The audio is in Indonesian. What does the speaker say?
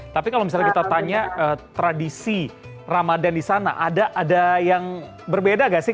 tapi kalau misalnya kita tanya tradisi ramadan di sana ada yang berbeda nggak sih